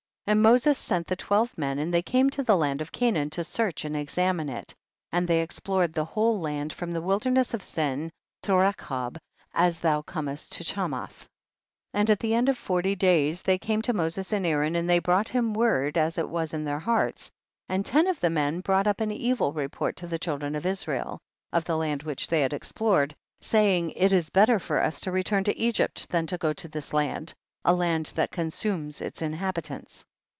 35. And Moses sent the twelve men, and they came to the land of Canaan to search and examine it, and they explored the whole land from the wilderness of Sin to Rechob as thou coraesi to Chamoth. 36. And at the end of forty days they came to Moses and Aaron, and they brought him word as it was in their hearts, and ten of the men brought up an evil report to the chil dren of Israel, of the land which they had explored, saying, it is better for us to return to Egypt than to go to this land, a land that consumes its inhabitants.